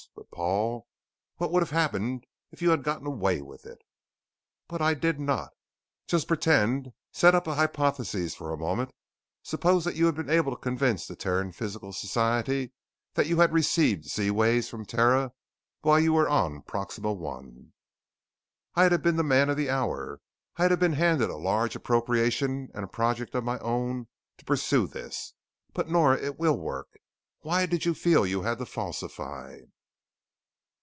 But Paul, what would have happened if you had gotten away with it?" "But I did not." "Just pretend. Set up a hypothesis for a minute. Suppose that you had been able to convince the Terran Physical Society that you had received Z waves from Terra while you were on Proxima I." "I'd have been the man of the hour. I'd have been handed a large appropriation and a project of my own to pursue this But Nora, it will work. Why did you feel that you had to falsify?"